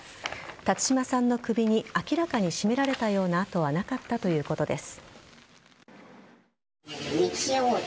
辰島さんの首に明らかに絞められたような痕はなかったということです。